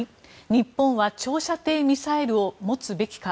日本は長射程ミサイルを持つべきか？